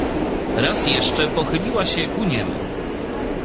"Raz jeszcze pochyliła się ku niemu."